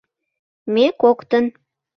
— Ме коктын.